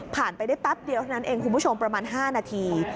ไปได้แป๊บเดียวเท่านั้นเองคุณผู้ชมประมาณ๕นาที